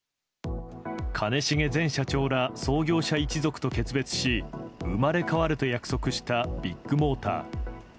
兼重前社長ら創業者一族と決別し、生まれ変わると約束したビッグモーター。